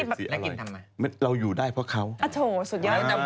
ได้กินทำไมเราอยู่ได้เพราะเขาแล้วจะบ่นทำไม